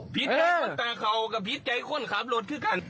พีชใจข้นตาเขากับพีชใจข้นครับลดคือกัน